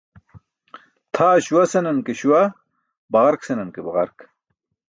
Tʰaa śuwa senan ke śuwa, baġark senan ke baġark.